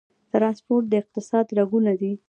ټرانسپورټ د اقتصاد رګونه دي